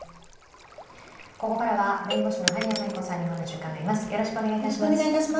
ここからは弁護士の萩谷麻衣子さんにお話を伺います。